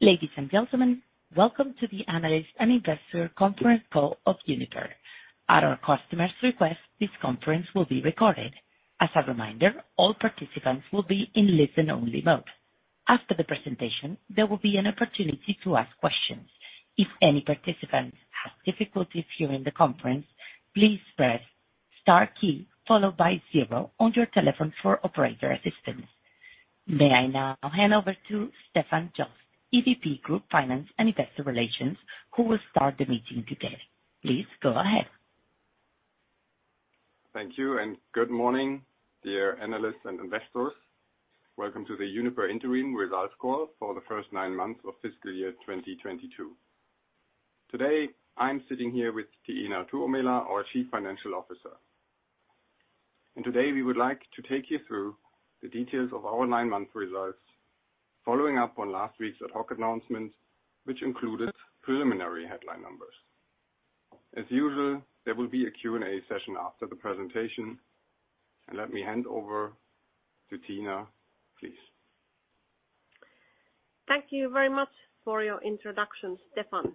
Ladies and gentlemen, Welcome to the Analyst and Investor Conference Call of Uniper. At our customer's request, this conference will be recorded. As a reminder, all participants will be in listen-only mode. After the presentation, there will be an opportunity to ask questions. If any participants have difficulties hearing the conference, please press star key followed by zero on your telephone for operator assistance. May I now hand over to Stefan Jost, EVP, Group Finance & Investor Relations, who will start the meeting today. Please go ahead. Thank you, and good morning, dear analysts and investors. Welcome to the Uniper Interim Results Call for the first nine months of fiscal year 2022. Today, I'm sitting here with Tiina Tuomela, our Chief Financial Officer. Today, we would like to take you through the details of our nine-month results, following up on last week's ad hoc announcement, which included preliminary headline numbers. As usual, there will be a Q&A session after the presentation. Let me hand over to Tiina, please. Thank you very much for your introduction, Stefan.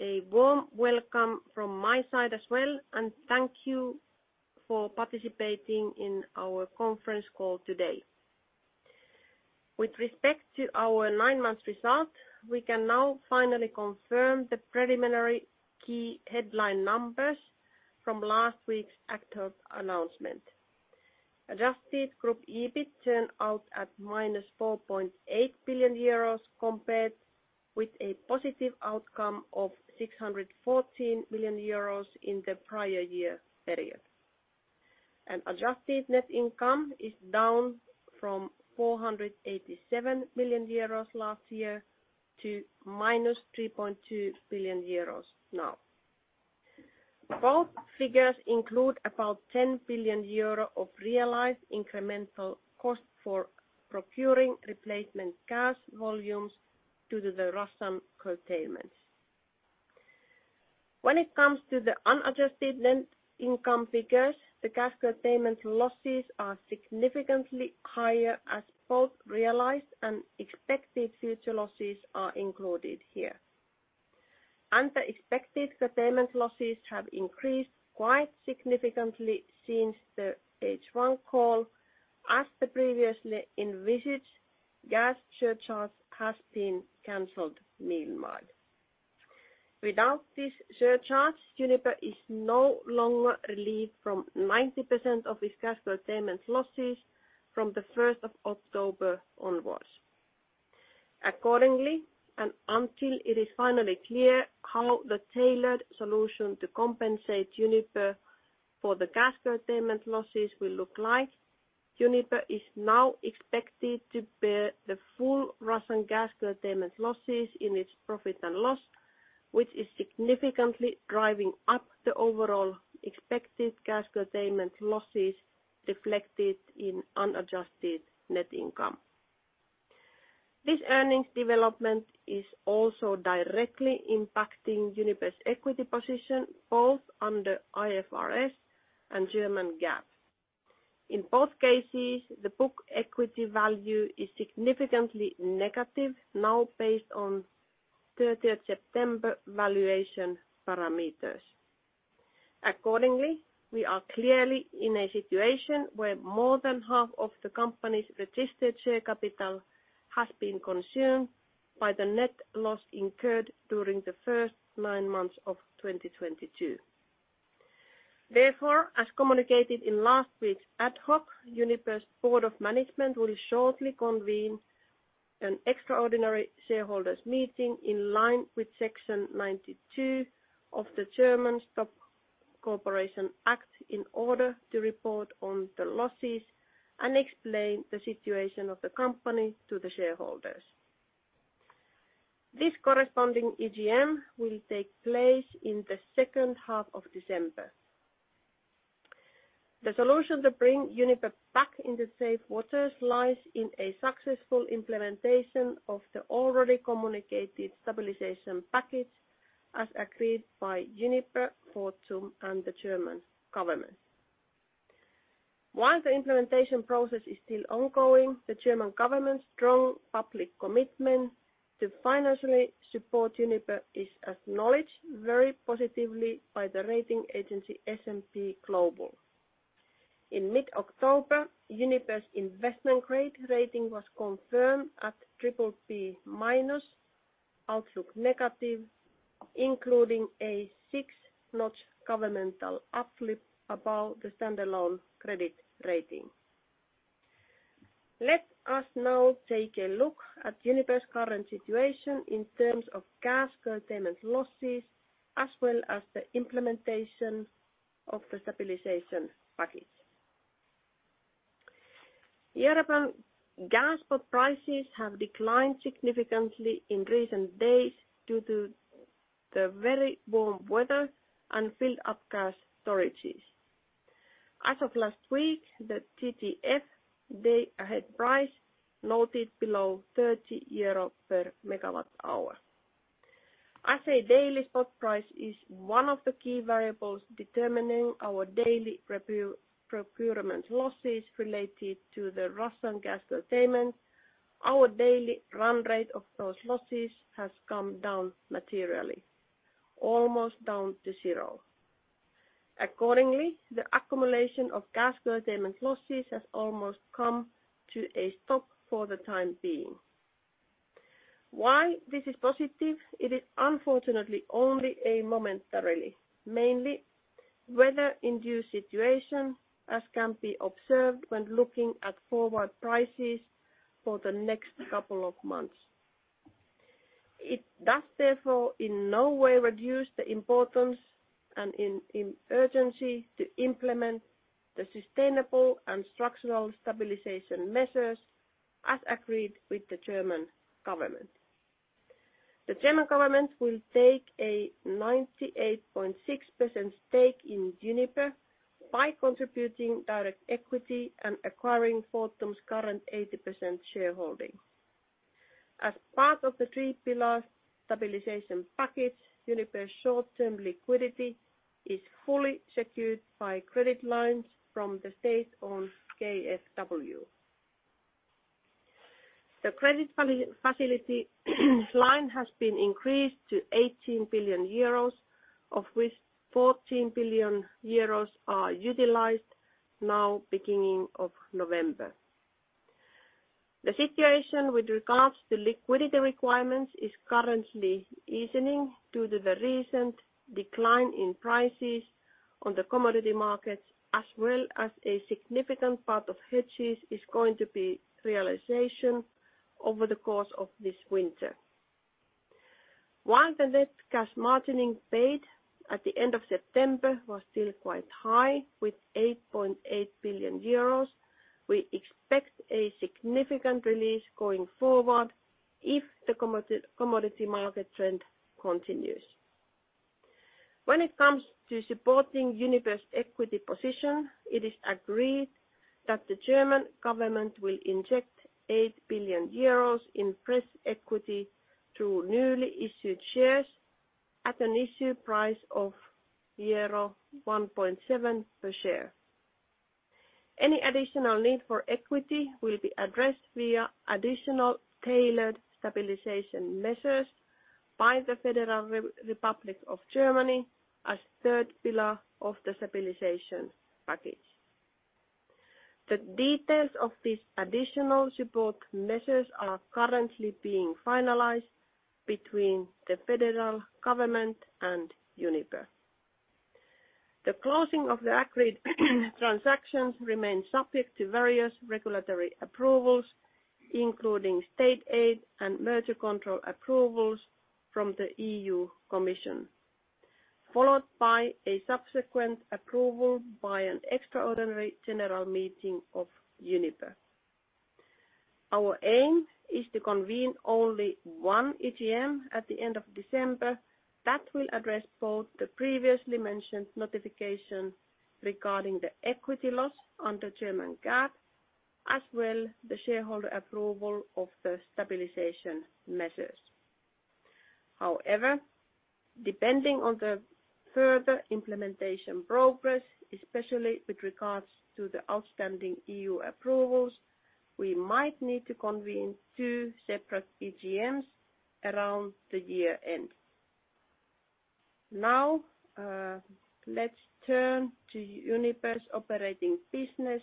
A warm welcome from my side as well, and thank you for participating in our conference call today. With respect to our nine months result, we can now finally confirm the preliminary key headline numbers from last week's ad hoc announcement. Adjusted group EBIT turned out at -4.8 billion euros, compared with a positive outcome of 614 million euros in the prior year period. Adjusted net income is down from 487 million euros last year to -3.2 billion euros now. Both figures include about 10 billion euro of realized incremental cost for procuring replacement gas volumes due to the Russian curtailments. When it comes to the unadjusted net income figures, the gas curtailment losses are significantly higher, as both realized and expected future losses are included here. The expected curtailment losses have increased quite significantly since the H1 call, as the previously envisaged gas surcharge has been canceled mid-March. Without this surcharge, Uniper is no longer relieved from 90% of its gas curtailment losses from 1 October 2022 onwards. Accordingly, until it is finally clear how the tailored solution to compensate Uniper for the gas curtailment losses will look like, Uniper is now expected to bear the full Russian gas curtailment losses in its profit and loss, which is significantly driving up the overall expected gas curtailment losses reflected in unadjusted net income. This earnings development is also directly impacting Uniper's equity position, both under IFRS and German GAAP. In both cases, the book equity value is significantly negative, now based on 30 September 2022 valuation parameters. Accordingly, we are clearly in a situation where more than half of the company's registered share capital has been consumed by the net loss incurred during the first nine-months of 2022. Therefore, as communicated in last week's ad hoc, Uniper's Board of Management will shortly convene an extraordinary shareholders' meeting in line with Section 92 of the German Stock Corporation Act in order to report on the losses and explain the situation of the company to the shareholders. This corresponding EGM will take place in the second half of December. The solution to bring Uniper back into safe waters lies in a successful implementation of the already communicated stabilization package as agreed by Uniper, Fortum, and the German government. While the implementation process is still ongoing, the German government's strong public commitment to financially support Uniper is acknowledged very positively by the rating agency S&P Global. In mid-October, Uniper's investment-grade rating was confirmed at BBB-, outlook negative, including a six-notch governmental uplift above the standalone credit rating. Let us now take a look at Uniper's current situation in terms of gas curtailment losses, as well as the implementation of the stabilization package. European gas spot prices have declined significantly in recent days due to the very warm weather and filled up gas storages. As of last week, the TTF day-ahead price noted eur 30 per megawatt-hour. as a daily spot price is one of the key variables determining our daily procurement losses related to the Russian gas curtailment, our daily run rate of those losses has come down materially, almost down to zero. Accordingly, the accumulation of gas curtailment losses has almost come to a stop for the time being. While this is positive, it is unfortunately only a momentary, mainly weather-induced situation, as can be observed when looking at forward prices for the next couple of months. It does, therefore, in no way reduce the importance and urgency to implement the sustainable and structural stabilization measures as agreed with the German government. The German government will take a 98.6% stake in Uniper by contributing direct equity and acquiring Fortum's current 80% shareholding. As part of the three pillar stabilization package, Uniper's short-term liquidity is fully secured by credit lines from the state-owned KfW. The credit facility line has been increased to 18 billion euros, of which 14 billion euros are utilized now, beginning of November. The situation with regards to liquidity requirements is currently easing due to the recent decline in prices on the commodity markets, as well as a significant part of hedges is going to be realization over the course of this winter. While the net cash margining paid at the end of September was still quite high, with 8.8 billion euros, we expect a significant release going forward if the commodity market trend continues. When it comes to supporting Uniper's equity position, it is agreed that the German government will inject 8 billion euros in fresh equity through newly issued shares at an issue price of euro 1.7 per share. Any additional need for equity will be addressed via additional tailored stabilization measures by the Federal Republic of Germany as third pillar of the stabilization package. The details of these additional support measures are currently being finalized between the federal government and Uniper. The closing of the agreed transactions remains subject to various regulatory approvals, including state aid and merger control approvals from the EU Commission, followed by a subsequent approval by an extraordinary general meeting of Uniper. Our aim is to convene only one EGM at the end of December that will address both the previously mentioned notification regarding the equity loss under German GAAP, as well as the shareholder approval of the stabilization measures. However, depending on the further implementation progress, especially with regard to the outstanding EU approvals, we might need to convene two separate EGMs around the year end. Now, let's turn to Uniper's operating business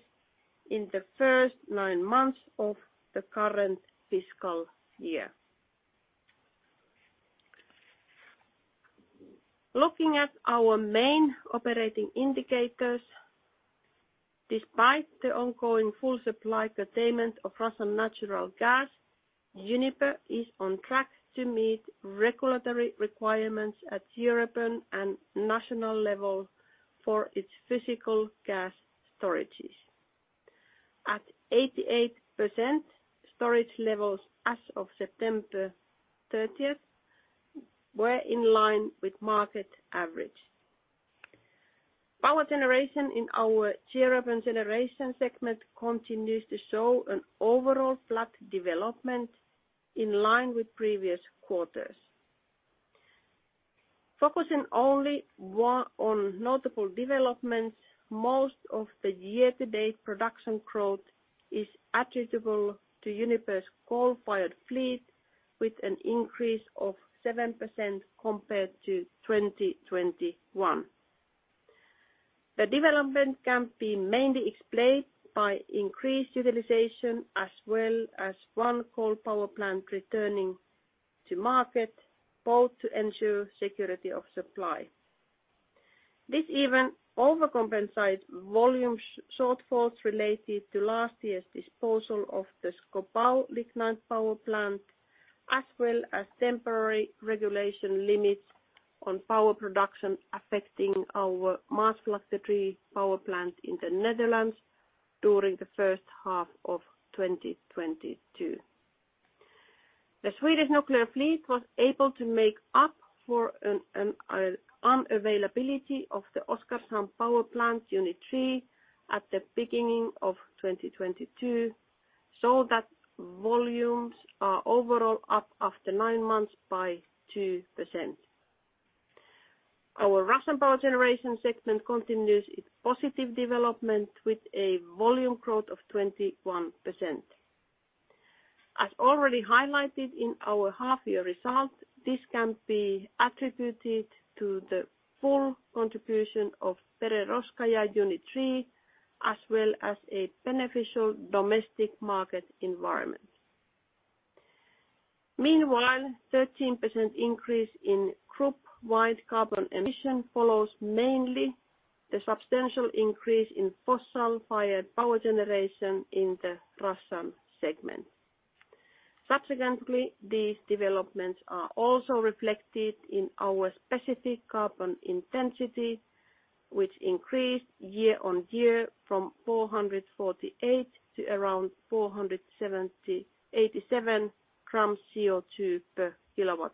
in the first nine months of the current fiscal year. Looking at our main operating indicators, despite the ongoing full supply curtailment of Russian natural gas, Uniper is on track to meet regulatory requirements at European and national level for its physical gas storages. At 88%, storage levels as of 30 September 2022 were in line with market average. Power generation in our European Generation segment continues to show an overall flat development in line with previous quarters. Focusing only on notable developments, most of the year-to-date production growth is attributable to Uniper's coal-fired fleet, with an increase of 7% compared to 2021. The development can be mainly explained by increased utilization, as well as one coal power plant returning to market, both to ensure security of supply. This even overcompensates volume shortfalls related to last year's disposal of the Schkopau lignite power plant, as well as temporary regulatory limits on power production affecting our Maasvlakte 3 power plant in the Netherlands during the first half of 2022. The Swedish nuclear fleet was able to make up for an unavailability of the Oskarshamn Power Plant Unit 3 at the beginning of 2022. Volumes are overall up after nine months by 2%. Our Russian Power Generation segment continues its positive development with a volume growth of 21%. As already highlighted in our half-year results, this can be attributed to the full contribution of Berezovskaya Unit 3, as well as a beneficial domestic market environment. Meanwhile, 13% increase in group-wide carbon emissions follows mainly from the substantial increase in fossil-fired power generation in the Russian segment. Subsequently, these developments are also reflected in our specific carbon intensity, which increased year-on-year from 448 grams to around 787 grams CO₂ per kWh.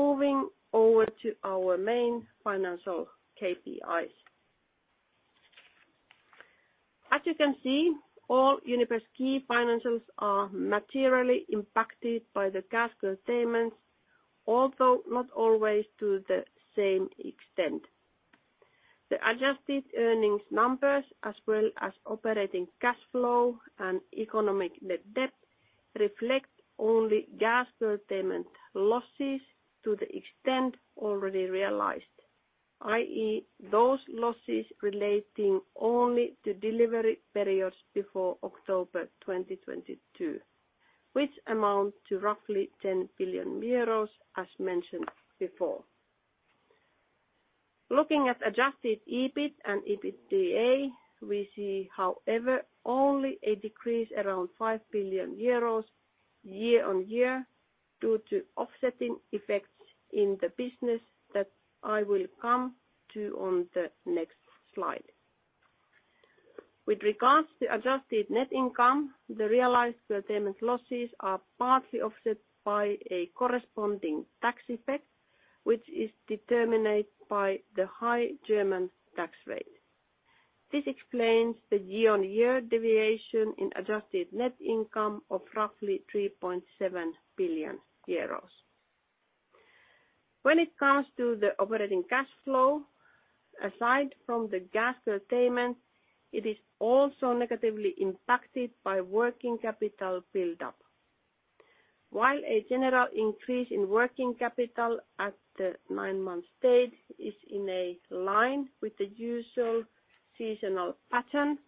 Moving over to our main financial KPIs. As you can see, all Uniper's key financials are materially impacted by the gas curtailments, although not always to the same extent. The adjusted earnings numbers as well as operating cash flow and economic net debt reflect only gas curtailment losses to the extent already realized, i.e., those losses relating only to delivery periods before October 2022, which amount to roughly 10 billion euros as mentioned before. Looking at Adjusted EBIT and EBITDA, we see, however, only a decrease around 5 billion euros year-on-year due to offsetting effects in the business that I will come to on the next slide. With regards to adjusted net income, the realized curtailment losses are partly offset by a corresponding tax effect, which is determined by the high German tax rate. This explains the year-on-year deviation in adjusted net income of roughly 3.7 billion euros. When it comes to the operating cash flow, aside from the gas curtailment, it is also negatively impacted by working capital buildup. While a general increase in working capital at the nine-month stage is in line with the usual seasonal pattern,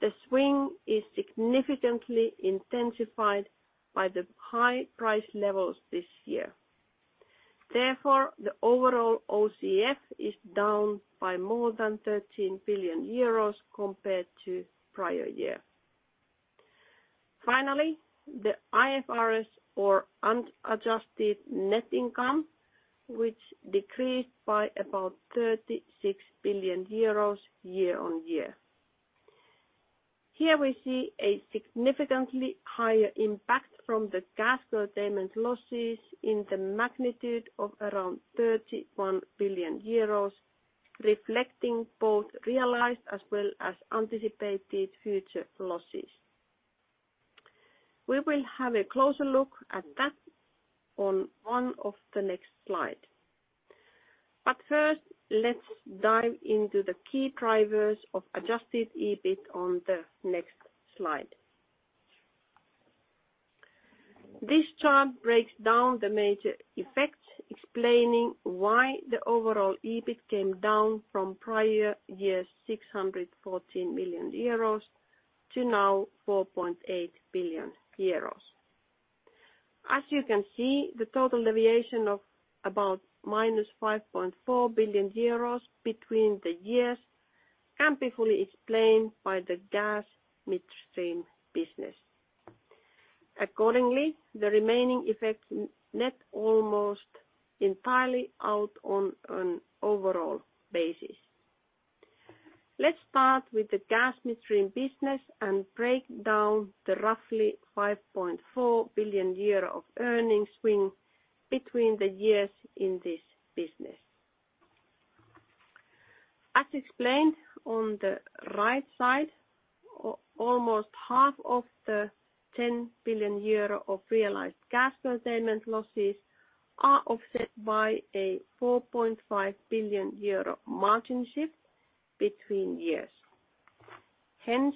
the swing is significantly intensified by the high price levels this year. Therefore, the overall OCF is down by more than 13 billion euros compared to prior year. Finally, the IFRS or unadjusted net income, which decreased by about EUR 36 billion year-on-year. Here we see a significantly higher impact from the gas curtailment losses in the magnitude of around 31 billion euros, reflecting both realized as well as anticipated future losses. We will have a closer look at that on one of the next slide. First, let's dive into the key drivers of Adjusted EBIT on the next slide. This chart breaks down the major effects, explaining why the overall EBIT came down from prior year's 614 million euros to now 4.8 billion euros. As you can see, the total deviation of about -5.4 billion euros between the years can be fully explained by the gas midstream business. Accordingly, the remaining effects net almost entirely out on an overall basis. Let's start with the gas midstream business and break down the roughly 5.4 billion of earnings swing between the years in this business. As explained on the right side, almost half of the 10 billion euro of realized gas curtailment losses are offset by a 4.5 billion euro margin shift between years. Hence,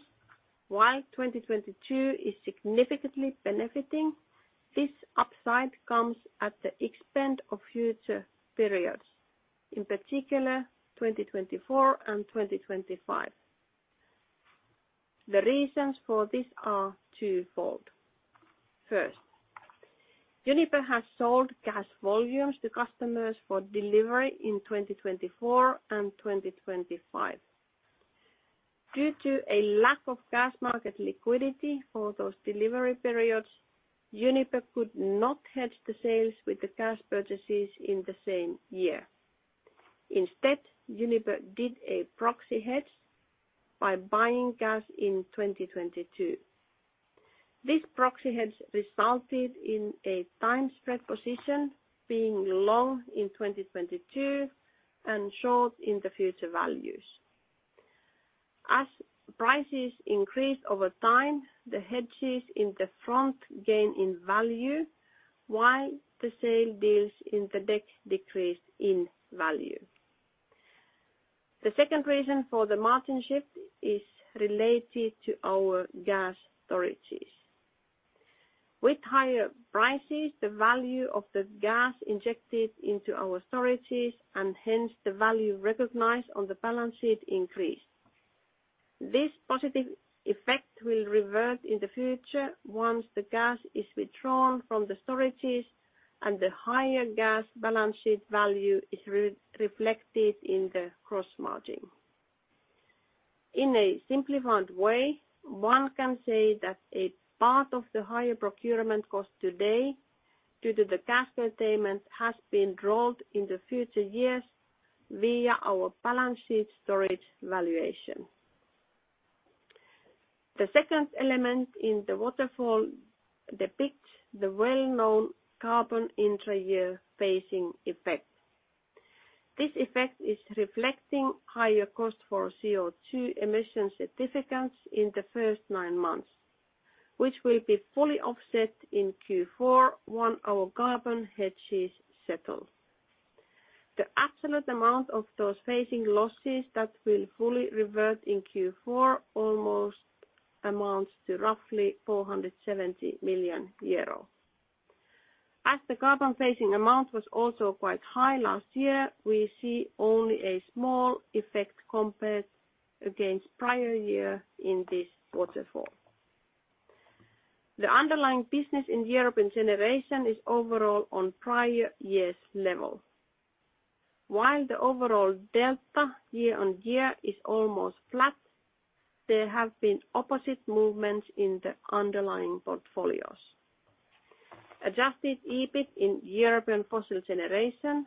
while 2022 is significantly benefiting, this upside comes at the expense of future periods, in particular 2024 and 2025. The reasons for this are twofold. First, Uniper has sold gas volumes to customers for delivery in 2024 and 2025. Due to a lack of gas market liquidity for those delivery periods, Uniper could not hedge the sales with the gas purchases in the same year. Instead, Uniper did a proxy hedge by buying gas in 2022. This proxy has resulted in a time spread position being long in 2022 and short in the future values. As prices increase over time, the hedges in the front gain in value, while the sale deals in the back decrease in value. The second reason for the margin shift is related to our gas storages. With higher prices, the value of the gas injected into our storages, and hence the value recognized on the balance sheet increased. This positive effect will revert in the future once the gas is withdrawn from the storages and the higher gas balance sheet value is re-reflected in the gross margin. In a simplified way, one can say that a part of the higher procurement cost today due to the gas containment has been rolled in the future years via our balance sheet storage valuation. The second element in the waterfall depicts the well-known carbon intra-year phasing effect. This effect is reflecting higher cost for CO2 emission certificates in the first nine months, which will be fully offset in Q4 once our carbon hedges settle. The absolute amount of those phasing losses that will fully revert in Q4 almost amounts to roughly 470 million euro. As the carbon phasing amount was also quite high last year, we see only a small effect compared against prior year in this waterfall. The underlying business in European Generation is overall on prior year's level. While the overall delta year-on-year is almost flat, there have been opposite movements in the underlying portfolios. Adjusted EBIT in European fossil generation,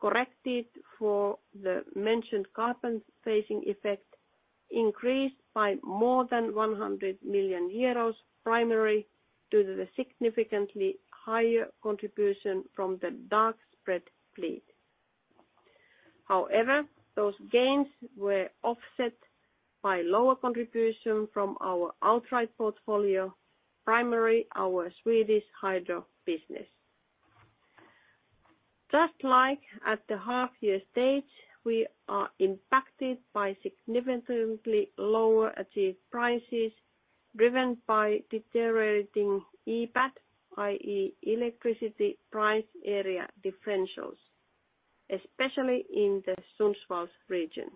corrected for the mentioned carbon phasing effect, increased by more than 100 million euros, primarily due to the significantly higher contribution from the dark spread fleet. However, those gains were offset by lower contribution from our outright portfolio, primarily our Swedish hydro business. Just like at the half year stage, we are impacted by significantly lower achieved prices driven by deteriorating EPAD, i.e., electricity price area differentials, especially in the Sundsvall region.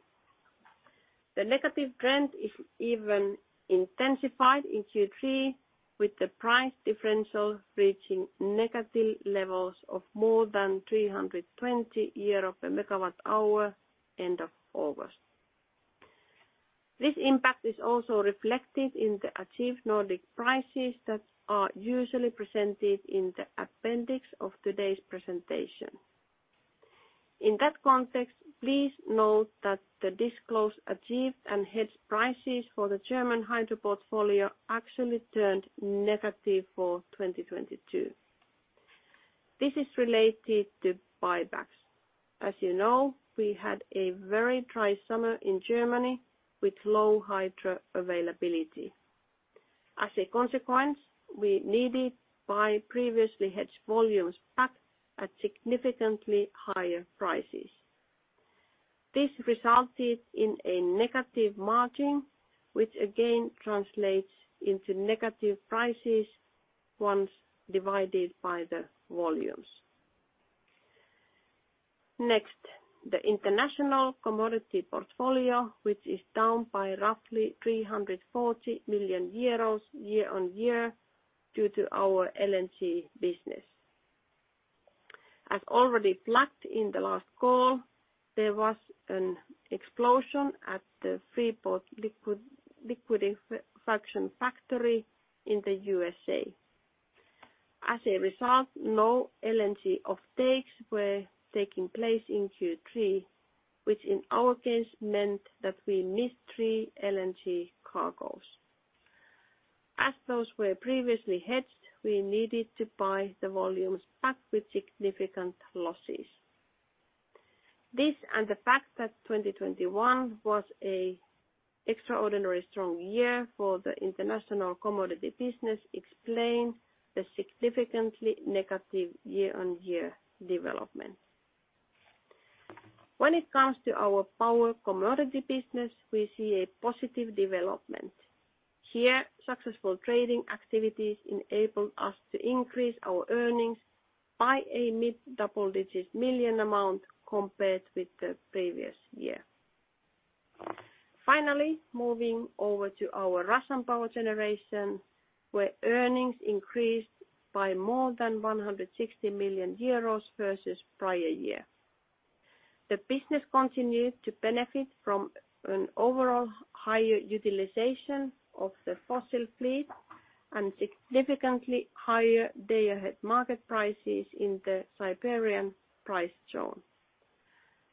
The negative trend is even intensified in Q3, with the price differential reaching negative levels of more than 320 per megawatt-hour end of August. This impact is also reflected in the achieved Nordic prices that are usually presented in the appendix of today's presentation. In that context, please note that the disclosed achieved and hedged prices for the German hydro portfolio actually turned negative for 2022. This is related to buybacks. As you know, we had a very dry summer in Germany with low hydro availability. As a consequence, we needed to buy previously hedged volumes back at significantly higher prices. This resulted in a negative margin, which again translates into negative prices once divided by the volumes. Next, the international commodity portfolio, which is down by roughly 340 million euros year-on-year due to our LNG business. As already flagged in the last call, there was an explosion at Freeport LNG in the USA. As a result, no LNG offtakes were taking place in Q3, which in our case meant that we missed three LNG cargoes. As those were previously hedged, we needed to buy the volumes back with significant losses. This and the fact that 2021 was an extraordinary strong year for the international commodity business explains the significantly negative year-on-year development. When it comes to our power commodity business, we see a positive development. Here, successful trading activities enabled us to increase our earnings by a mid-double-digit million amount compared with the previous year. Finally, moving over to our Russian power generation, where earnings increased by more than 160 million euros versus prior year. The business continued to benefit from an overall higher utilization of the fossil fleet and significantly higher day-ahead market prices in the Siberian price zone.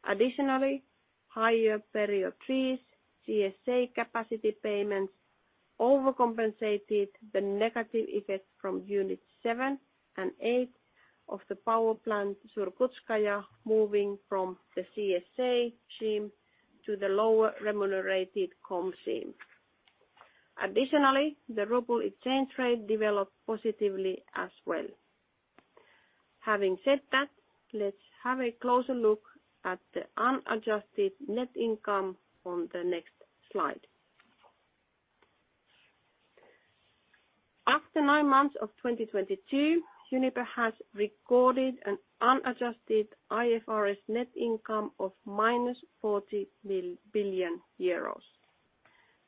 Additionally, higher Period 3's CSA capacity payments overcompensated the negative effect from units seven and eight of the power plant Surgutskaya, moving from the CSA scheme to the lower remunerated KOM scheme. Additionally, the ruble exchange rate developed positively as well. Having said that, let's have a closer look at the unadjusted net income on the next slide. After nine months of 2022, Uniper has recorded an unadjusted IFRS net income of -40 billion euros.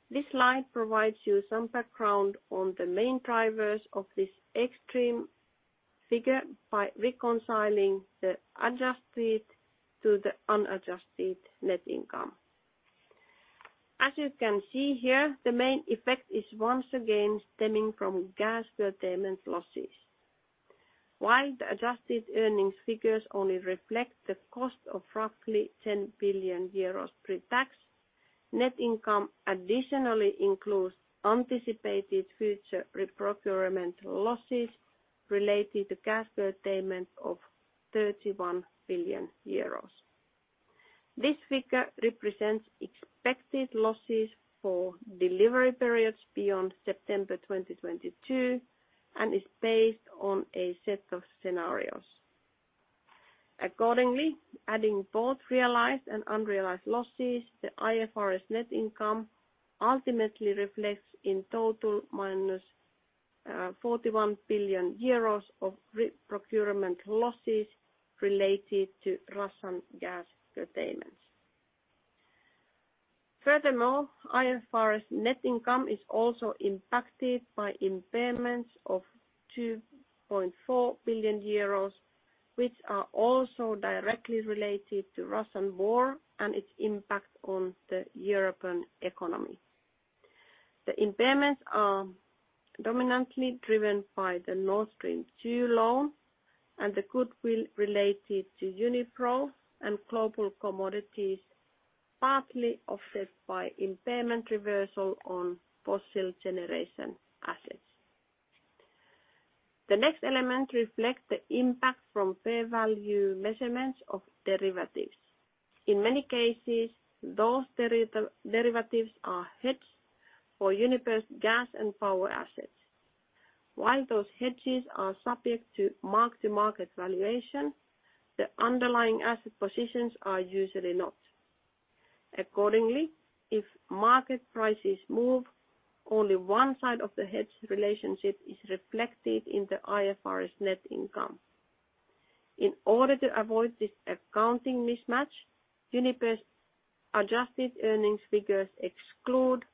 This slide provides you some background on the main drivers of this extreme figure by reconciling the adjusted to the unadjusted net income. As you can see here, the main effect is once again stemming from gas procurement losses. While the adjusted earnings figures only reflect the cost of roughly 10 billion euros pre-tax, net income additionally includes anticipated future reprocurement losses related to gas procurement of 31 billion euros. This figure represents expected losses for delivery periods beyond September 2022, and is based on a set of scenarios. Accordingly, adding both realized and unrealized losses, the IFRS net income ultimately reflects in total -EUR 41 billion of re-procurement losses related to Russian gas procurements. Furthermore, IFRS net income is also impacted by impairments of 2.4 billion euros, which are also directly related to Russian war and its impact on the European economy. The impairments are dominantly driven by the Nord Stream 2 loan and the goodwill related to Unipro and Global Commodities, partly offset by impairment reversal on fossil generation assets. The next element reflect the impact from fair value measurements of derivatives. In many cases, those derivatives are hedged for Uniper's gas and power assets. While those hedges are subject to mark-to-market valuation, the underlying asset positions are usually not. Accordingly, if market prices move, only one side of the hedge relationship is reflected in the IFRS net income. In order to avoid this accounting mismatch, Uniper's adjusted earnings figures exclude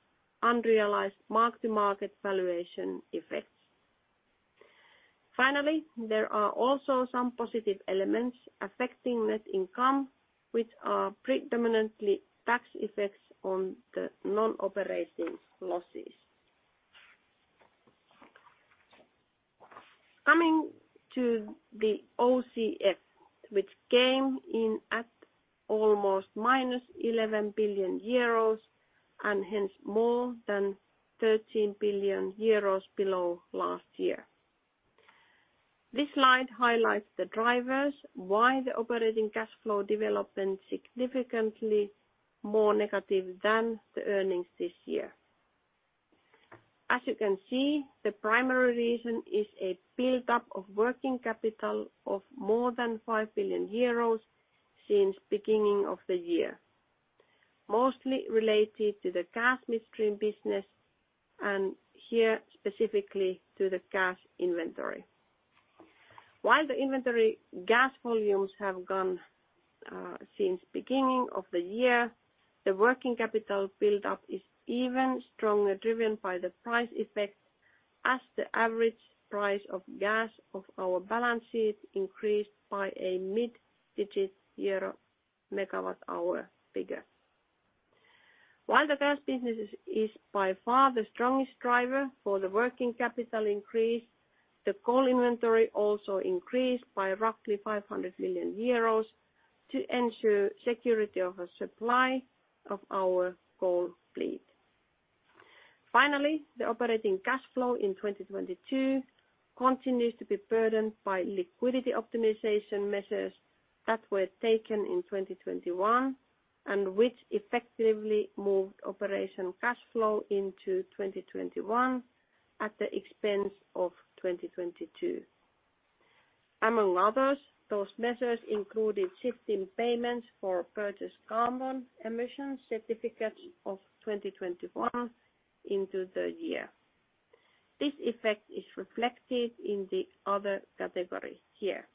unrealized mark-to-market valuation effects. Finally, there are also some positive elements affecting net income, which are predominantly tax effects on the non-operating losses. Coming to the OCF, which came in at almost -11 billion euros, and hence more than 13 billion euros below last year. This slide highlights the drivers why the operating cash flow development significantly more negative than the earnings this year. As you can see, the primary reason is a buildup of working capital of more than 5 billion euros since beginning of the year, mostly related to the gas midstream business, and here, specifically to the gas inventory. While the inventory gas volumes have gone since beginning of the year, the working capital buildup is even strongly driven by the price effect as the average price of gas of our balance sheet increased by a mid-digit euro megawatt-hour figure. While the gas business is by far the strongest driver for the working capital increase, the coal inventory also increased by roughly 500 million euros to ensure security of a supply of our coal fleet. Finally, the operating cash flow in 2022 continues to be burdened by liquidity optimization measures that were taken in 2021, and which effectively moved operating cash flow into 2021 at the expense of 2022. Among others, those measures included shifting payments for purchased carbon emission certificates of 2021 into the year. This effect is reflected in the other category here.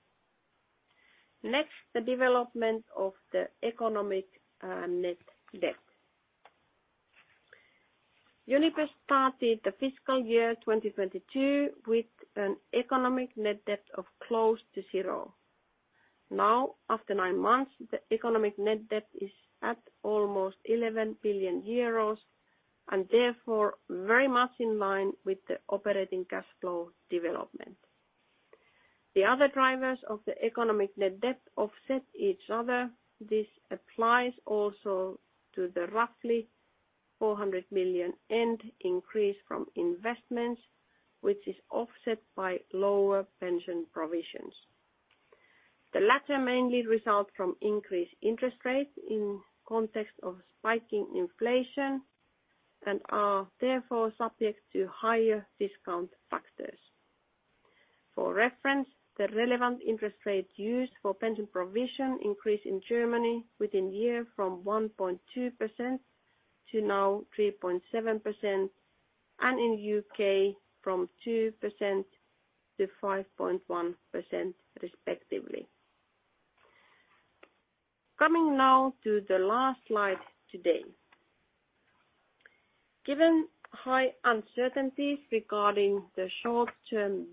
Next, the development of the economic net debt. Uniper started the fiscal year 2022 with an economic net debt of close to zero. Now, after nine months, the economic net debt is at almost 11 billion euros and therefore very much in line with the operating cash flow development. The other drivers of the economic net debt offset each other. This applies also to the roughly 400 million net increase from investments, which is offset by lower pension provisions. The latter mainly result from increased interest rates in context of spiking inflation and are therefore subject to higher discount factors. For reference, the relevant interest rates used for pension provision increase in Germany within year from 1.2% to now 3.7%, and in U.K. from 2%-5.1% respectively. Coming now to the last slide today. Given high uncertainties regarding the short-term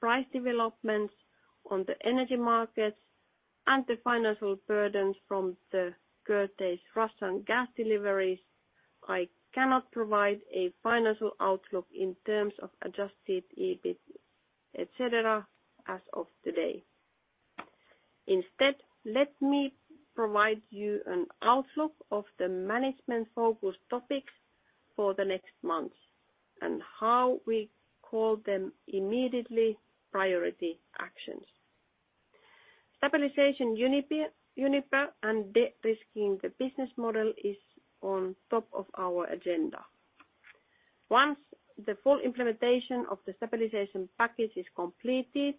price developments on the energy markets and the financial burdens from the curtailment of Russian gas deliveries, I cannot provide a financial outlook in terms of Adjusted EBIT, et cetera as of today. Instead, let me provide you an outlook of the management focus topics for the next months and how we call them immediate priority actions. Stabilizing Uniper and de-risking the business model is on top of our agenda. Once the full implementation of the stabilization package is completed,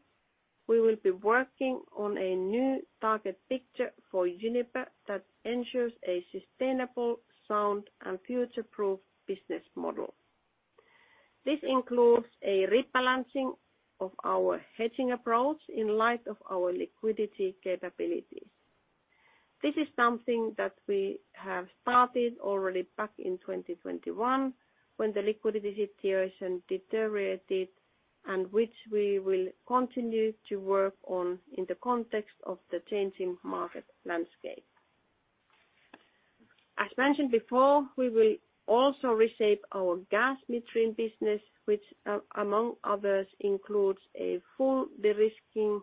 we will be working on a new target picture for Uniper that ensures a sustainable, sound, and future-proof business model. This includes a rebalancing of our hedging approach in light of our liquidity capabilities. This is something that we have started already back in 2021 when the liquidity situation deteriorated and which we will continue to work on in the context of the changing market landscape. As mentioned before, we will also reshape our gas midstream business, which among others, includes a full de-risking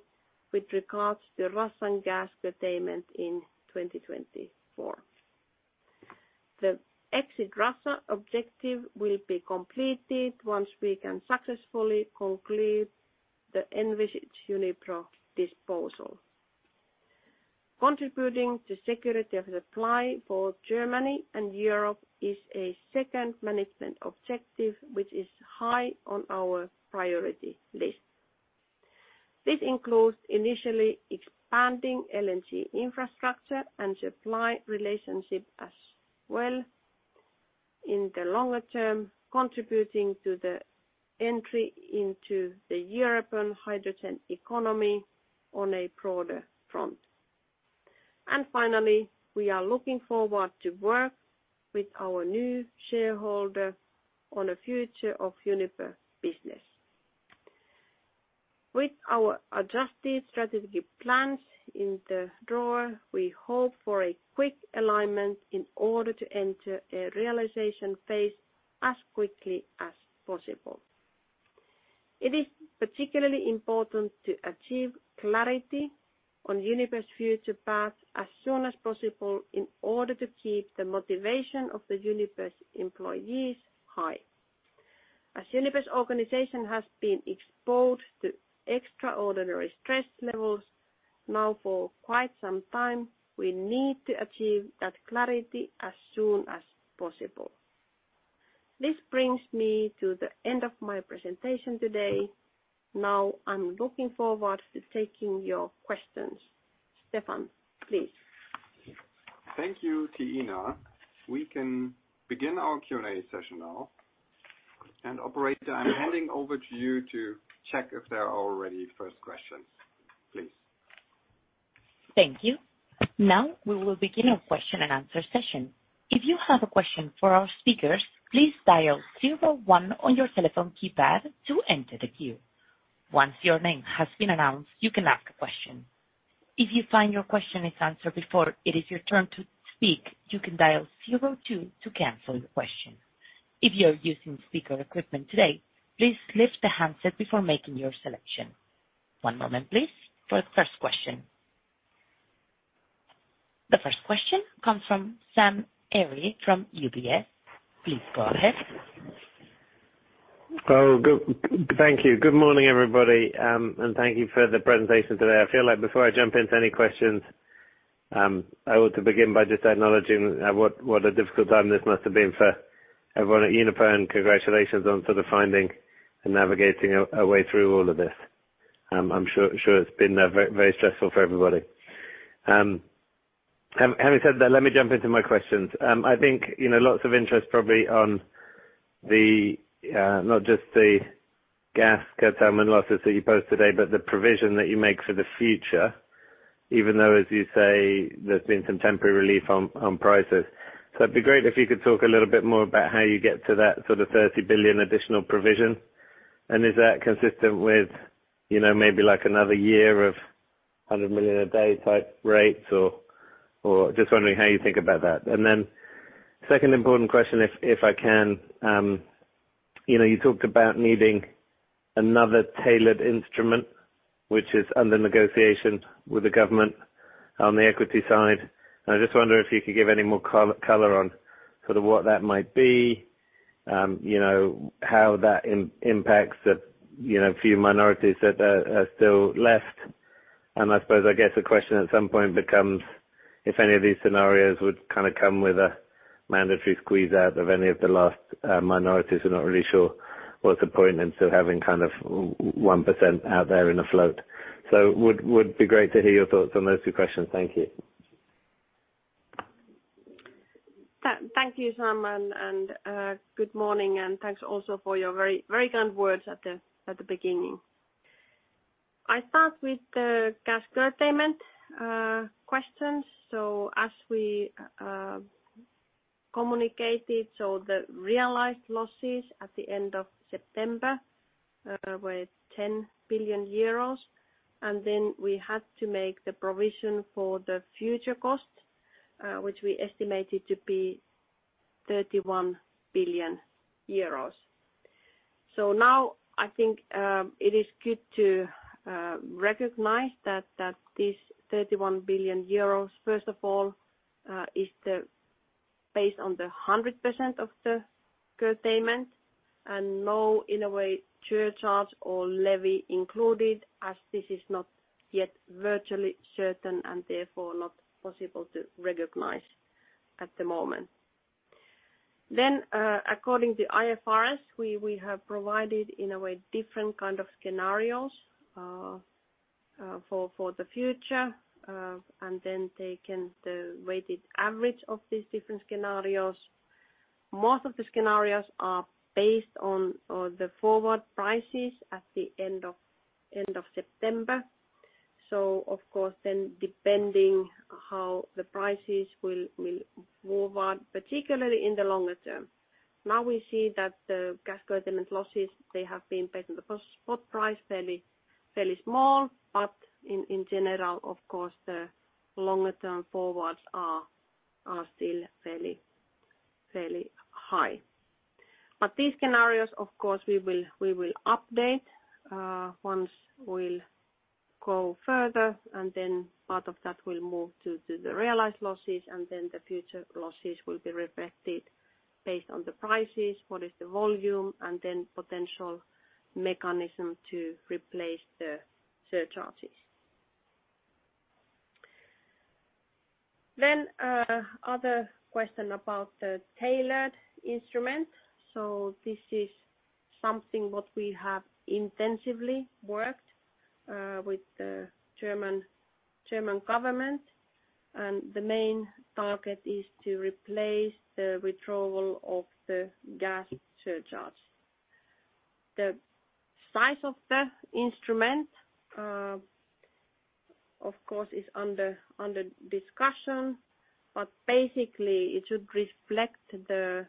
with regards to Russian gas curtailment in 2024. The exit Russia objective will be completed once we can successfully conclude the envisaged Uniper disposal. Contributing to security of supply for Germany and Europe is a second management objective, which is high on our priority list. This includes initially expanding LNG infrastructure and supply relationship as well in the longer term, contributing to the entry into the European hydrogen economy on a broader front. Finally, we are looking forward to work with our new shareholder on a future of Uniper business. With our adjusted strategic plans in the drawer, we hope for a quick alignment in order to enter a realization phase as quickly as possible. It is particularly important to achieve clarity on Uniper's future path as soon as possible in order to keep the motivation of the Uniper's employees high. As Uniper's organization has been exposed to extraordinary stress levels now for quite some time, we need to achieve that clarity as soon as possible. This brings me to the end of my presentation today. Now I'm looking forward to taking your questions. Stefan, please. Thank you, Tiina. We can begin our Q&A session now. Operator, I'm handing over to you to check if there are already first questions, please. Thank you. Now we will begin our question and answer session. If you have a question for our speakers, please dial zero-one on your telephone keypad to enter the queue. Once your name has been announced, you can ask a question. If you find your question is answered before it is your turn to speak, you can dial zero-two to cancel your question. If you are using speaker equipment today, please lift the handset before making your selection. One moment please for the first question. The first question comes from Sam Arie from UBS. Please go ahead. Oh, thank you. Good morning, everybody, and thank you for the presentation today. I feel like before I jump into any questions, I want to begin by just acknowledging what a difficult time this must have been for everyone at Uniper, and congratulations on sort of finding and navigating a way through all of this. I'm sure it's been very stressful for everybody. Having said that, let me jump into my questions. I think, you know, lots of interest probably on the not just the gas curtailment losses that you post today, but the provision that you make for the future, even though, as you say, there's been some temporary relief on prices. It'd be great if you could talk a little bit more about how you get to that sort of 30 billion additional provision, and is that consistent with, you know, maybe like another year of 100 million a day type rates or just wondering how you think about that. Second important question if I can, you know, you talked about needing another tailored instrument which is under negotiation with the government on the equity side. I just wonder if you could give any more color on sort of what that might be, you know, how that impacts the, you know, few minorities that are still left. I suppose I guess the question at some point becomes if any of these scenarios would kind of come with a mandatory squeeze out of any of the last minorities who are not really sure what's the point in sort of having kind of 1% out there in a float. Would be great to hear your thoughts on those two questions. Thank you. Thank you, Sam. Good morning, and thanks also for your very, very kind words at the beginning. I start with the gas curtailment questions. As we communicated, the realized losses at the end of September were 10 billion euros, and then we had to make the provision for the future costs, which we estimated to be 31 billion euros. Now I think it is good to recognize that that this 31 billion euros, first of all, is based on the 100% of the curtailment and no, in a way, surcharge or levy included, as this is not yet virtually certain and therefore not possible to recognize at the moment. According to IFRS, we have provided in a way different kind of scenarios for the future and then taken the weighted average of these different scenarios. Most of the scenarios are based on the forward prices at the end of September. Of course, depending how the prices will move on, particularly in the longer term. Now we see that the gas curtailment losses they have been based on the spot price, fairly small. In general, of course, the longer term forwards are still fairly high. These scenarios, of course, we will update. Once we'll go further, and then part of that will move to the realized losses, and then the future losses will be reflected based on the prices, what is the volume, and then potential mechanism to replace the surcharges. Other question about the tailored instrument. This is something what we have intensively worked with the German government, and the main target is to replace the withdrawal of the gas surcharge. The size of the instrument of course is under discussion, but basically it should reflect the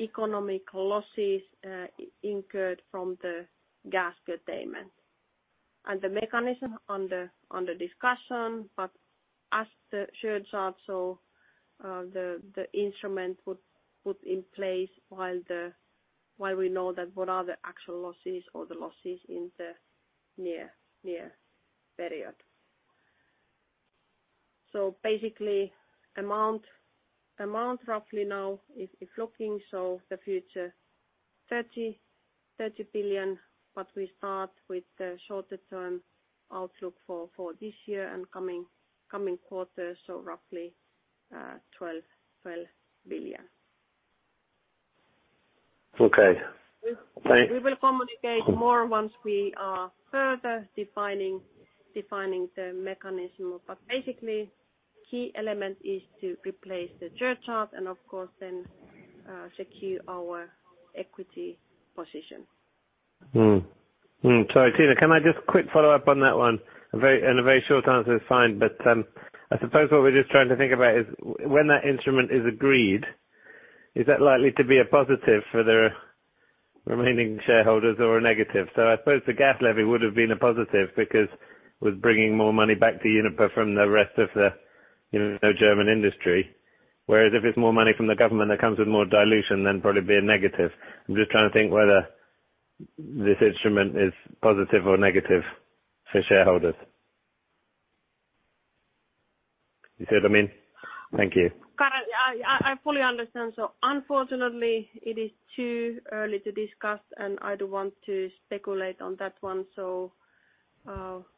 economic losses incurred from the gas curtailment. The mechanism under discussion, but as the surcharge also the instrument would put in place while we know that what are the actual losses or the losses in the near period. Basically amount roughly now is looking so the future 30 billion, but we start with the shorter term outlook for this year and coming quarters, so roughly EUR 12 billion. Okay. We will communicate more once we are further defining the mechanism. Basically, key element is to replace the surcharge and of course then, secure our equity position. Sorry, Tiina, can I just quick follow up on that one? A very short answer is fine, but I suppose what we're just trying to think about is when that instrument is agreed, is that likely to be a positive for the remaining shareholders or a negative? I suppose the gas levy would have been a positive because it was bringing more money back to Uniper from the rest of the, you know, German industry. Whereas if it's more money from the government that comes with more dilution, then probably be a negative. I'm just trying to think whether this instrument is positive or negative for shareholders. You see what I mean? Thank you. Got it. I fully understand. Unfortunately it is too early to discuss, and I don't want to speculate on that one,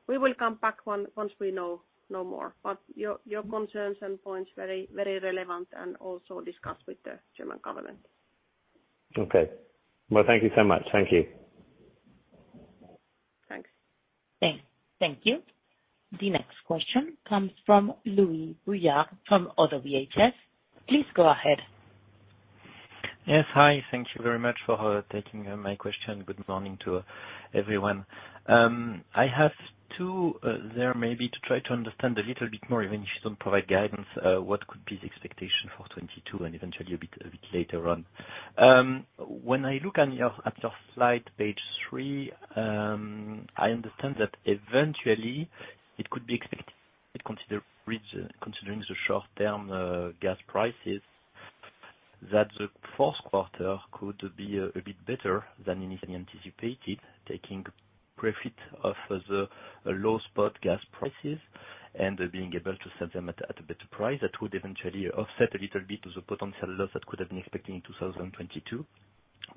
we will come back once we know more. Your concerns and points very relevant and also discussed with the German government. Okay. Well, thank you so much. Thank you. Thanks. Thank you. The next question comes from Louis Boujard from Oddo BHF. Please go ahead. Yes. Hi. Thank you very much for taking my question. Good morning to everyone. I have two, there may be to try to understand a little bit more, even if you don't provide guidance, what could be the expectation for 2022 and eventually a bit later on. When I look at your slide Page 3, I understand that eventually it could be expected to consider reconsidering the short-term gas prices, that the Q4 could be a bit better than initially anticipated, taking profit off the low spot gas prices and being able to sell them at a better price that would eventually offset a little bit the potential loss that could have been expected in 2022.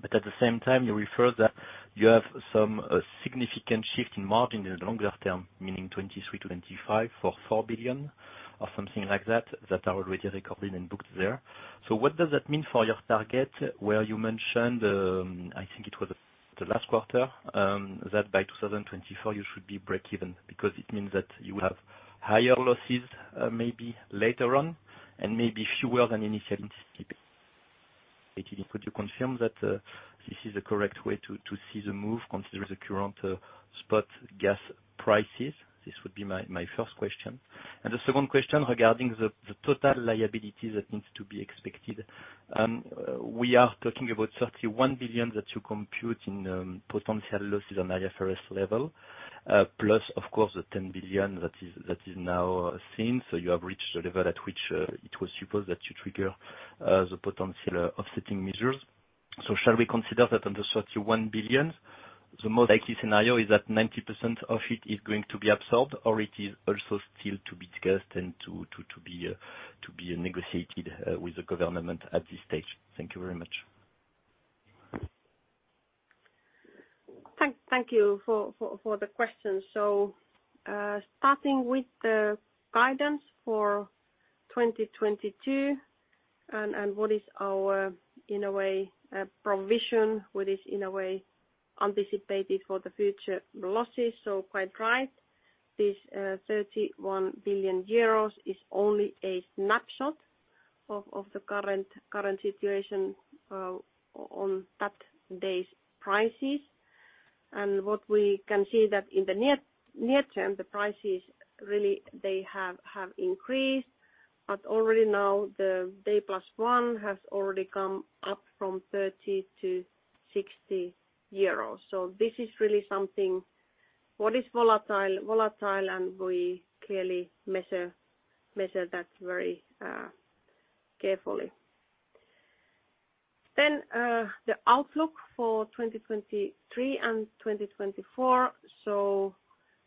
At the same time, you refer that you have some significant shift in margin in the longer term, meaning 2023, 2025 for 4 billion or something like that are already recorded and booked there. What does that mean for your target, where you mentioned, I think it was the last quarter, that by 2024 you should be breakeven? Because it means that you will have higher losses, maybe later on, and maybe fewer than initially anticipated. Could you confirm that this is the correct way to see the move considering the current spot gas prices? This would be my first question. The second question regarding the total liability that needs to be expected. We are talking about 31 billion that you compute in potential losses on IFRS level, plus of course the 10 billion that is now seen. You have reached the level at which it was supposed that you trigger the potential offsetting measures. Shall we consider that on the 31 billion, the most likely scenario is that 90% of it is going to be absorbed or it is also still to be discussed and to be negotiated with the government at this stage? Thank you very much. Thank you for the question. Starting with the guidance for 2022 and what is, in a way, anticipated for the future losses, quite right. This 31 billion euros is only a snapshot of the current situation on that day's prices. What we can see that in the near term, the prices really, they have increased, but already now the day plus one has already come up from 30-60 euros. This is really something what is volatile, and we clearly measure that very carefully. The outlook for 2023 and 2024.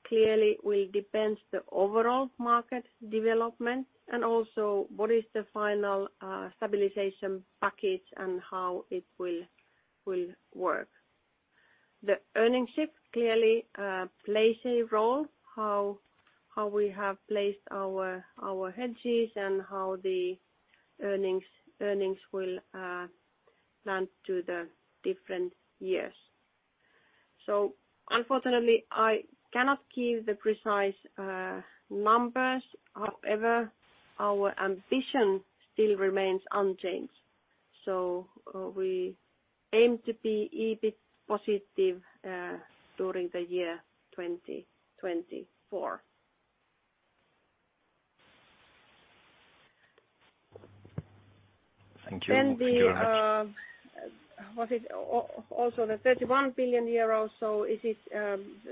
Clearly will depend the overall market development and also what is the final stabilization package and how it will work. The earnings shift clearly plays a role, how we have placed our hedges and how the earnings will land to the different years. Unfortunately, I cannot give the precise numbers. However, our ambition still remains unchanged. We aim to be EBIT positive during the year 2024. Thank you very much. Also the 31 billion euros. Is it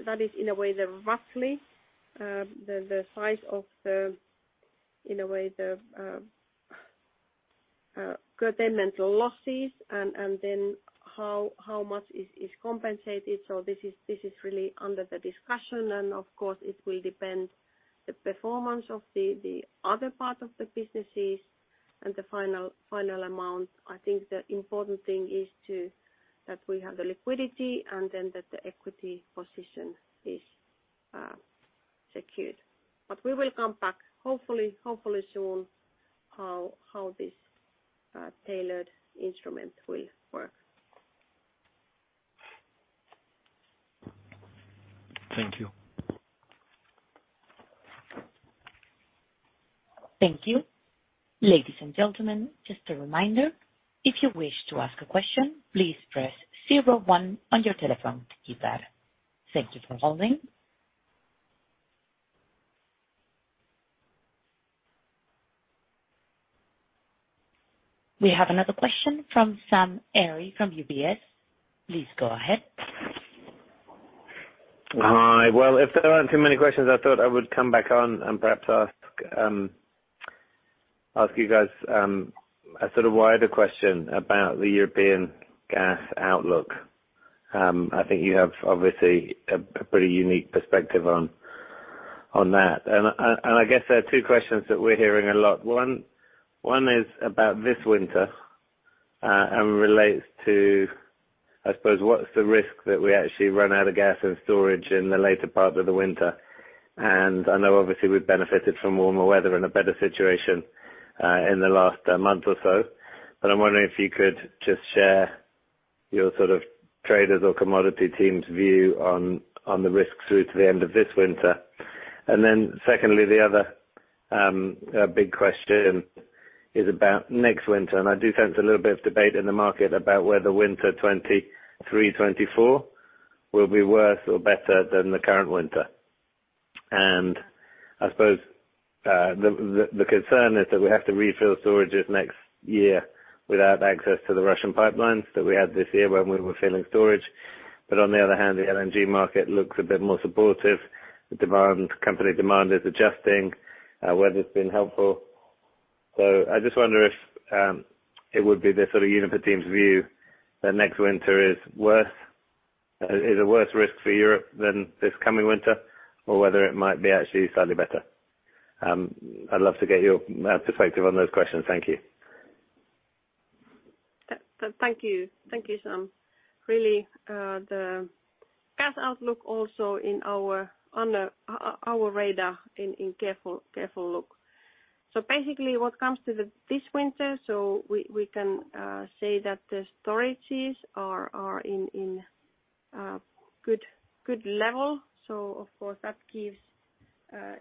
that is in a way the roughly the size of the in a way the governmental losses and then how much is compensated. This is really under the discussion. Of course it will depend the performance of the other part of the businesses and the final amount. I think the important thing is that we have the liquidity and then that the equity position is secured. We will come back hopefully soon how this tailored instrument will work. Thank you. Thank you. Ladies and gentlemen, just a reminder, if you wish to ask a question, please press zero-one on your telephone keypad. Thank you for holding. We have another question from Sam Arie from UBS. Please go ahead. Hi. Well, if there aren't too many questions, I thought I would come back on and perhaps ask you guys a sort of wider question about the European gas outlook. I think you have obviously a pretty unique perspective on that. I guess there are two questions that we're hearing a lot. One is about this winter and relates to, I suppose, what's the risk that we actually run out of gas and storage in the later part of the winter? I know obviously we've benefited from warmer weather and a better situation in the last month or so, but I'm wondering if you could just share your sort of traders or commodity team's view on the risks through to the end of this winter. Then secondly, the other big question is about next winter. I do sense a little bit of debate in the market about whether winter 2023, 2024 will be worse or better than the current winter. I suppose the concern is that we have to refill storages next year without access to the Russian pipelines that we had this year when we were filling storage. But on the other hand, the LNG market looks a bit more supportive. Demand, company demand is adjusting, whether it's been helpful. I just wonder if it would be the sort of Uniper team's view that next winter is worse, is a worse risk for Europe than this coming winter, or whether it might be actually slightly better. I'd love to get your perspective on those questions. Thank you. Thank you. Thank you, Sam. Really, the gas outlook also on our radar in careful look. Basically what comes to this winter, we can say that the storages are in good level. Of course that gives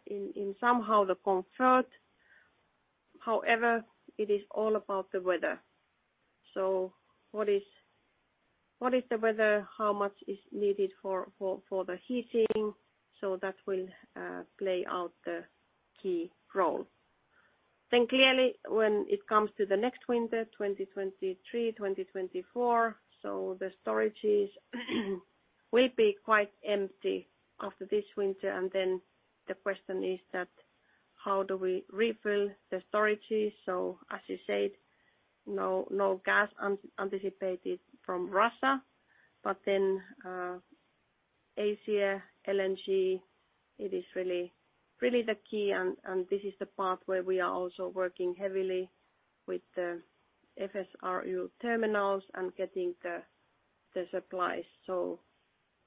in somehow the comfort. However, it is all about the weather. What is the weather? How much is needed for the heating? That will play out the key role. Clearly, when it comes to the next winter, 2023, 2024, the storages will be quite empty after this winter. The question is that, how do we refill the storages? As you said, no gas anticipated from Russia, but then, Asian LNG, it is really the key and this is the part where we are also working heavily with the FSRU terminals and getting the supplies.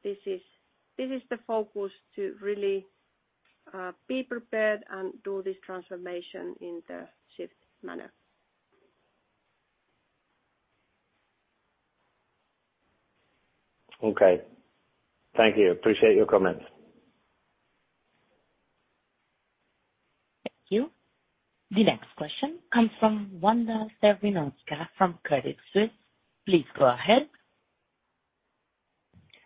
This is the focus to really be prepared and do this transformation in the swift manner. Okay. Thank you. Appreciate your comments. Thank you. The next question comes from Wanda Serwinowska from Credit Suisse. Please go ahead.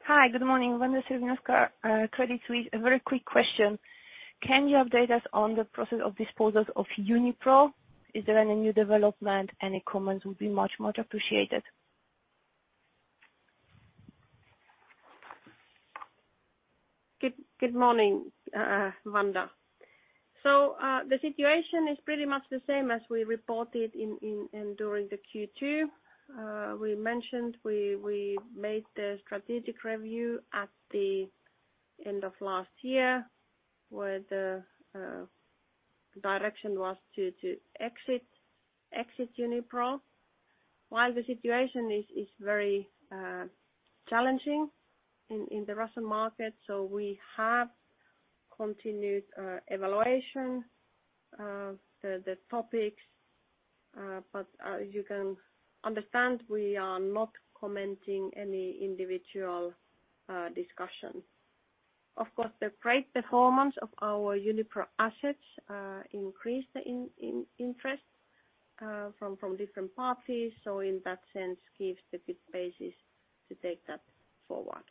Hi. Good morning. Wanda Serwinowska, Credit Suisse. A very quick question. Can you update us on the process of disposals of Unipro? Is there any new development? Any comments would be much, much appreciated. Good morning, Wanda. The situation is pretty much the same as we reported during the Q2. We mentioned we made the strategic review at the end of last year, where the direction was to exit Unipro. While the situation is very challenging in the Russian market, we have continued evaluation of the topics. You can understand we are not commenting any individual discussion. Of course, the great performance of our Unipro assets increased the interest from different parties, so in that sense gives the good basis to take that forward.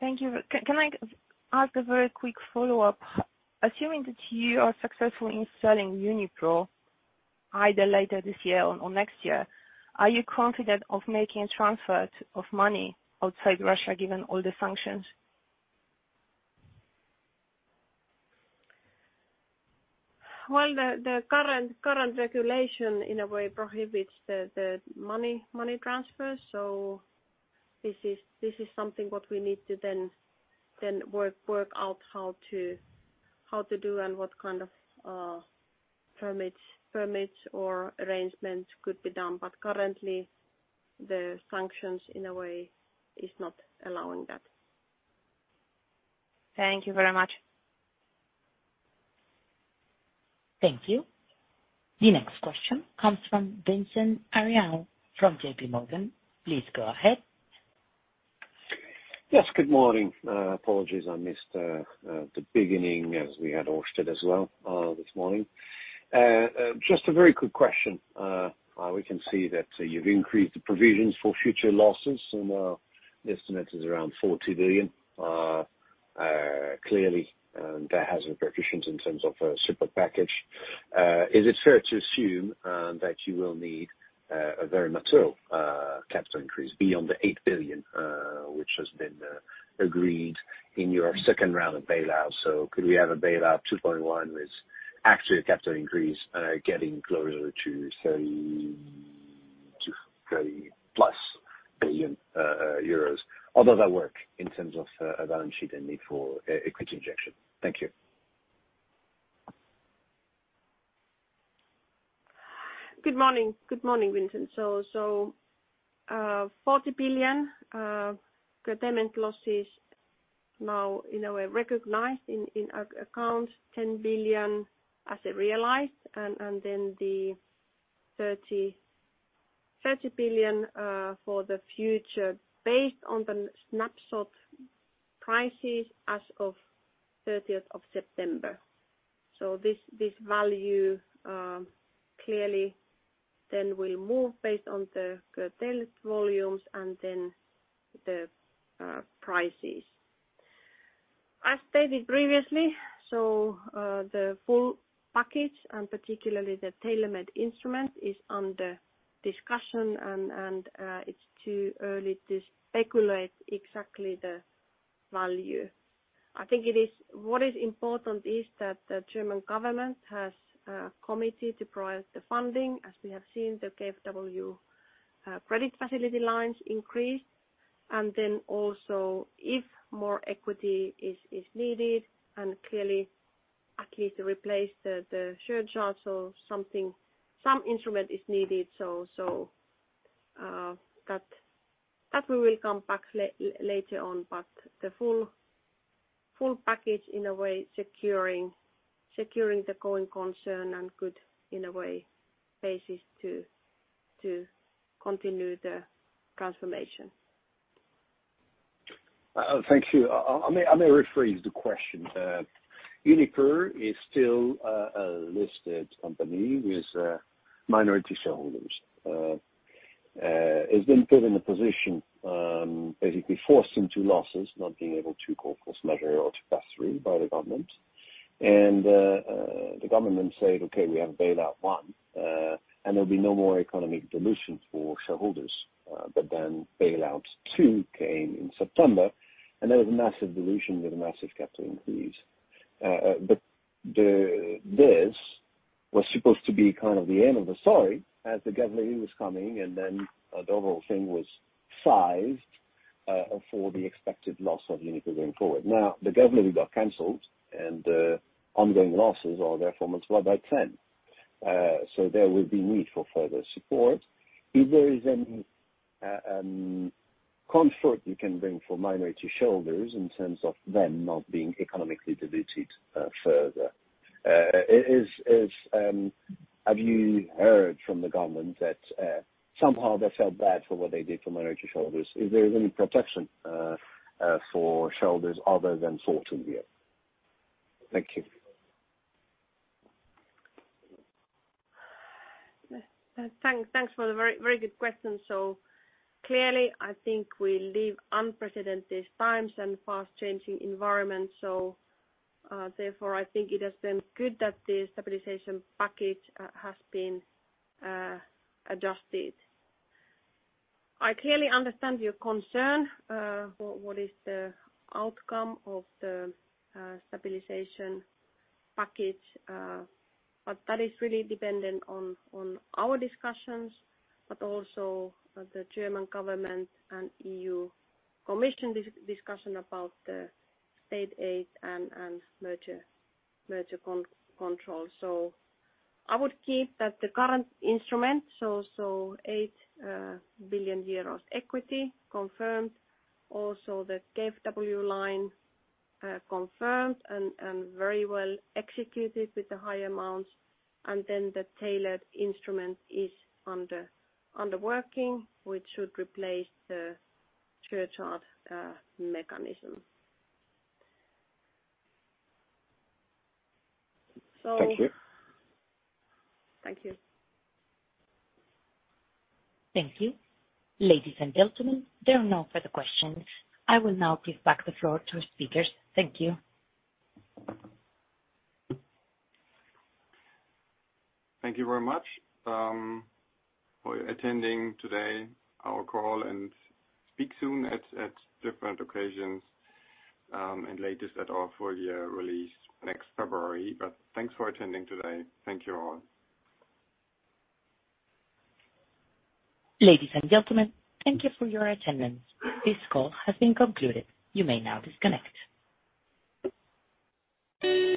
Thank you. Can I ask a very quick follow-up? Assuming that you are successful in selling Unipro either later this year or next year, are you confident of making transfers of money outside Russia, given all the sanctions? Well, the current regulation in a way prohibits the money transfer, so this is something what we need to then work out how to do and what kind of permits or arrangements could be done. Currently, the sanctions in a way is not allowing that. Thank you very much. Thank you. The next question comes from Vincent Ayral from JPMorgan. Please go ahead. Yes, good morning. Apologies I missed the beginning as we had Ørsted as well this morning. Just a very quick question. We can see that you've increased the provisions for future losses and the estimate is around 40 billion. Clearly, that hasn't materialized in terms of a support package. Is it fair to assume that you will need a very material capital increase beyond the 8 billion which has been agreed in your second round of bailout? Could we have a bailout 2.1, with actually a capital increase getting closer to 30+ billion euros? How does that work in terms of a balance sheet and need for equity injection? Thank you. Good morning. Good morning, Vincent. 40 billion contingent losses now in a way recognized in our accounts. 10 billion as a realized and then the 30 billion for the future based on the snapshot prices as of 30 September 2022. This value clearly then will move based on the curtailment volumes and then the prices. I stated previously, the full package and particularly the tailor-made instrument is under discussion and it's too early to speculate exactly the value. What is important is that the German government has committed to provide the funding. As we have seen, the KfW credit facility lines increased. Also, if more equity is needed and clearly at least to replace the share capital or something, some instrument is needed. That we will come back later on. But the full package in a way securing the going concern and good, in a way, basis to continue the transformation. Thank you. I may rephrase the question. Uniper is still a listed company with minority shareholders. It's been put in a position, basically forced into losses, not being able to cope with measure or to pass through by the government. The government said, "Okay, we have bailout one, and there'll be no more economic dilution for shareholders." But then bailout two came in September, and there was a massive dilution with a massive capital increase. This was supposed to be kind of the end of the story as the government aid was coming, and the overall thing was sized for the expected loss of Uniper going forward. Now, the government aid got canceled, and the ongoing losses are therefore multiplied by ten. There will be need for further support. If there is any comfort you can bring for minority shareholders in terms of them not being economically diluted further. Have you heard from the government that somehow they felt bad for what they did to minority shareholders? Is there any protection for shareholders other than sorting deal? Thank you. Thanks, thanks for the very good question. Clearly, I think we live unprecedented times and fast-changing environment. Therefore, I think it has been good that the stabilization package has been adjusted. I clearly understand your concern for what is the outcome of the stabilization package. But that is really dependent on our discussions, but also the German government and EU Commission discussion about the state aid and merger control. I would keep that the current instrument, eight billion euros equity confirmed, also the KfW line confirmed and very well executed with the high amounts, and then the tailored instrument is under working, which should replace the surcharge mechanism. Thank you. Thank you. Thank you. Ladies and gentlemen, there are no further questions. I will now give back the floor to our speakers. Thank you. Thank you very much, for attending today our call and speak soon at different occasions, and latest at our full year release next February. Thanks for attending today. Thank you all. Ladies and gentlemen, thank you for your attendance. This call has been concluded. You may now disconnect.